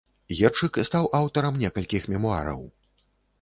Герчык стаў аўтарам некалькіх мемуараў.